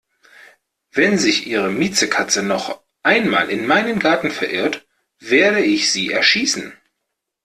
Wenn sich Ihre Miezekatze noch einmal in meinen Garten verirrt, werde ich sie erschießen!